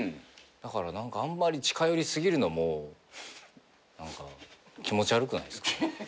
だから何かあんまり近寄りすぎるのも何か気持ち悪くないっすか？